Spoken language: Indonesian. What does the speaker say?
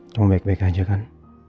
cuma baik baik aja kan